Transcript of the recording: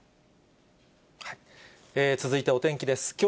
続いてお天気です。